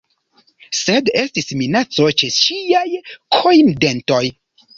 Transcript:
Sed estis minaco ĉe ŝiaj kojndentoj.